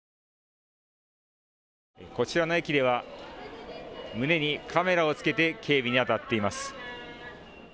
こちらの駅では胸にカメラを着けて警備に当たっています。